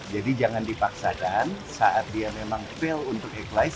jadi jangan dipaksakan saat dia memang fail untuk eklis